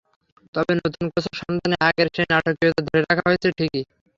তবে নতুন কোচের সন্ধানে আগের সেই নাটকীয়তা ধরে রাখা হয়েছে ঠিকই।